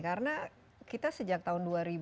karena kita sejak tahun dua ribu